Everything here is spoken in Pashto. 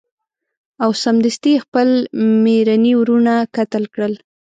او سمدستي یې خپل میرني وروڼه قتل کړل.